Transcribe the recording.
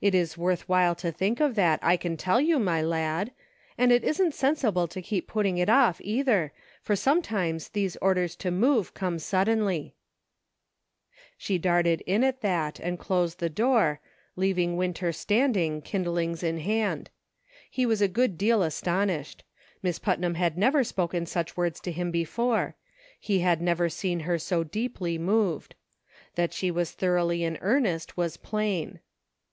It is worth while to think of that, I can tell you, my lad ; and it isn't sensible to keep putting it off, either, for sometimes these orders to move come suddenly." She darted in at that and closed the door, leav "ORDERS TO MOVE. ' 1 73 ing Winter standing, kindlings in hand. He was a good deal astonished. Miss Putnam had never spoken such words to him before ; he had never seen her so deeply moved. That she was thor oughly in earnest, was plain.